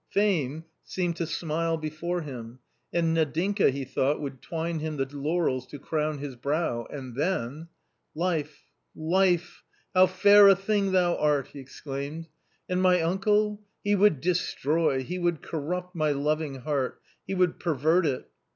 Fame seemed ioo A COMMON STORY to smile before hiro, and Nadinka, he thought, would twine him the laurels to crown his brow, and then ...." Life, life, how fair a thing thou art !" he exclaimed. " And my uncle? He would destroy, he would corrupt my loving heart, he would pervert it."